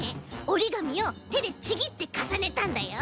おりがみをてでちぎってかさねたんだよ。